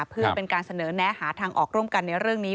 เพื่อเป็นการเสนอแนะหาทางออกร่วมกันในเรื่องนี้